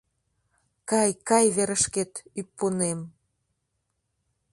Кай, кай верышкет, ӱппунем!